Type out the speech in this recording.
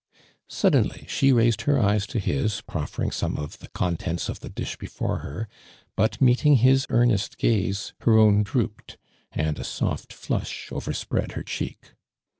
Suddenly she raised her eyes to his, proffering some of the contents of the dish before her, but meeting his earnest gaze, her own droojied, and a soft flush overspread her cheek.